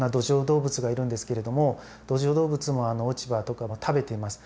動物がいるんですけれども土壌動物も落ち葉とかも食べています。